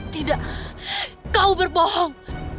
tidak kau berbohong